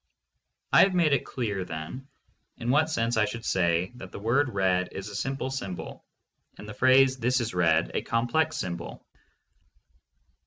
I have made it clear, then, in what sense I should say that the word "red" is a simple symbol and the phrase "This is red" a complex symbol.